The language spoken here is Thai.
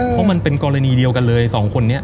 เพราะมันเป็นกรณีเดียวกันเลยสองคนนี้